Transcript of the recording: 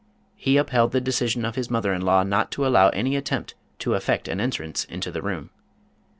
He upheld the decision of his mother in law not to al low any attempt to effect an entrance into the room.